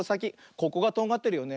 ここがとんがってるよね。